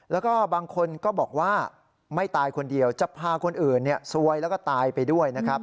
แล้วก็บางคนก็บอกว่าไม่ตายคนเดียวจะพาคนอื่นซวยแล้วก็ตายไปด้วยนะครับ